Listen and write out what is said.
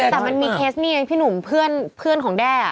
แต่มันมีเคสนี้ไงพี่หนุ่มเพื่อนของแด้